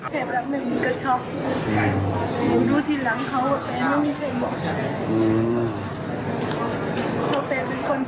แล้วก็นั่งรอนั่งรอนั่งรอเปลี่ยนยางรอชาติ